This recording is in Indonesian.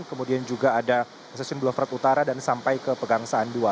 kemudian juga ada stasiun bluefek utara dan sampai ke pegangsaan dua